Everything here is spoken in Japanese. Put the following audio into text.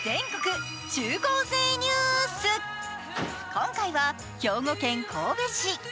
今回は兵庫県神戸市。